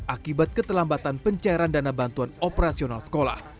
akibat keterlambatan pencairan dana bantuan operasional sekolah